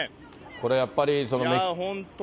これやっぱり。